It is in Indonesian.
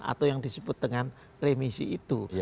atau yang disebut dengan remisi itu